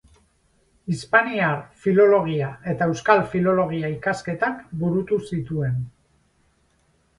Hispaniar Filologia eta Euskal Filologia ikasketak burutu zituen.